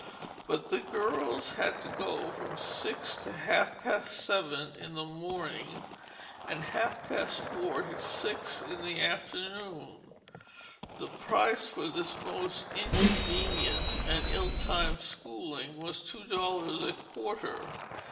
But the girls had to go from six to half past seven in the morning, and half past four to six in the afternoon. The price for this most inconvenient and ill timed schooling was two dollars a quarter.